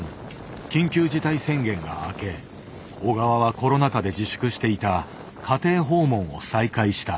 緊急事態宣言が明け小川はコロナ禍で自粛していた「家庭訪問」を再開した。